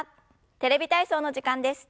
「テレビ体操」の時間です。